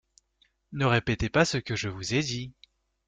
Ne répétez pas ce que je vous ai dit.